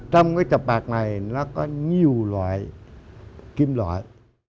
trong cái cặp bạc này nó có nhiều loại kim loại